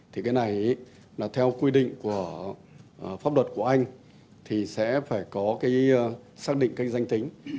thì cái này là theo quy định của pháp luật của anh thì sẽ phải có cái xác định cái danh tính